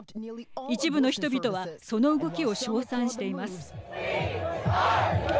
一部の人々はその動きを称賛しています。